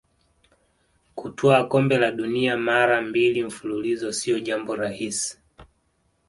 kutwaa kombe la dunia mara mbili mfululizo sio jambo rahisi